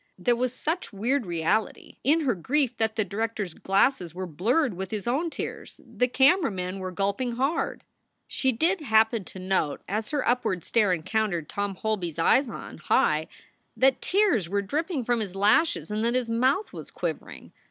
There was such weird reality in her grief that the director s glasses were blurred with his own tears; the camera men were gulping hard. She did happen to note, as her upward stare encountered Tom Holby s eyes on high, that tears were dripping from his lashes and that his mouth was quivering.